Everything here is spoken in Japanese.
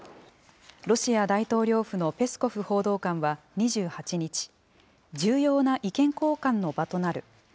ロシア大統領府のペスコフ報道官は２８日、重要な意見交換の場となる。